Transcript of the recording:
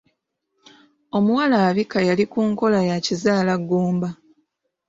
Omuwala abika yali ku nkola ya kizaala ggumba.